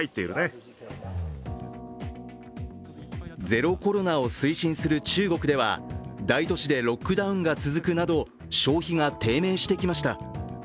ゼロコロナを推進する中国では大都市でロックダウンが続くなど消費が低迷してきました。